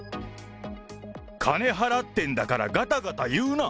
金払ってんだからがたがた言うな。